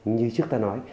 như trước ta nói